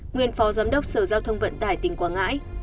nguyên phó giám đốc sở giao thông vận tải tỉnh quảng ngãi